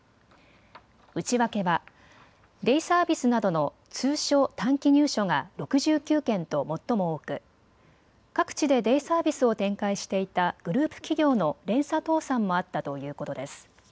内訳はデイサービスなどの通所・短期入所が６９件と最も多く各地でデイサービスを展開していたグループ企業の連鎖倒産もあったということです。